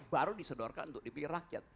baru disedorkan untuk dipilih rakyat